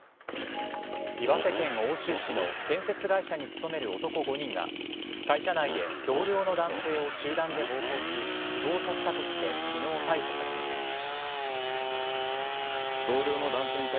岩手県奥州市の建設会社に勤める男５人が会社内で同僚の男性を集団で暴行し死亡させたとして昨日、逮捕されました。